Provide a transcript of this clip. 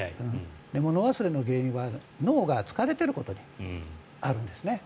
物忘れの原因は脳が疲れてることにあるんです。